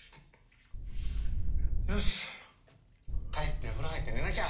よし帰って風呂入って寝なきゃ。